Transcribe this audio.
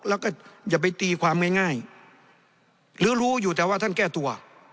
แล้วก็อย่าไปตีความง่ายหรือรู้อยู่แต่ว่าท่านแก้ตัว